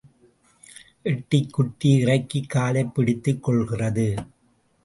எட்டிக் குட்டி இறக்கிக் காலைப் பிடித்துக் கொள்கிறது.